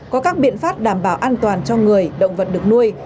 có các biện pháp đảm bảo an toàn cho người động vật được nuôi